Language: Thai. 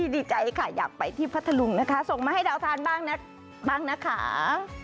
ดีใจค่ะอยากไปที่พระทะลุงนะคะส่งมาให้เราทานบ้างนะคะ